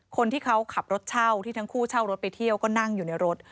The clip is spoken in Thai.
คนที่เขาขับรถเช่าที่ทั้งคู่เช่ารถไปเที่ยวก็นั่งอยู่ในรถ